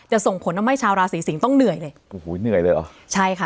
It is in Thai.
ส่งผลทำให้ชาวราศีสิงศ์ต้องเหนื่อยเลยโอ้โหเหนื่อยเลยเหรอใช่ค่ะ